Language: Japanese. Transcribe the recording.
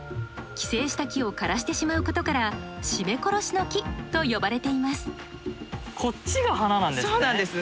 寄生した木を枯らしてしまうことから「締め殺しの木」と呼ばれていますそうなんです。